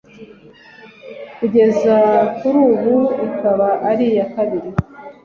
kugeza kuri ubu ikaba ari iya kabiri